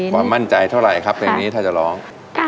ความมั่นใจเท่าไหร่ครับเพลงนี้ถ้าจะร้อง